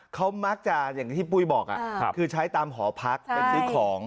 เขามักจะอย่างที่ปุ้ยบอกคือใช้ตามหอพักไปซื้อของ